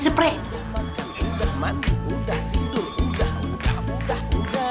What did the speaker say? udah makan udah mandi udah tidur udah udah udah